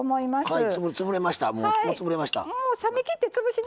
はい。